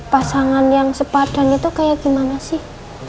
pasangan yang sepadan itu kayak gimana sih